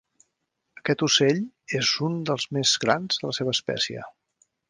Aquest ocell és un dels més grans de la seva espècie.